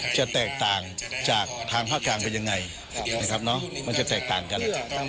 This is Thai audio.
จะแตกต่างจากทางภาคกลางเป็นยังไงนะครับมันจะแตกต่างกัน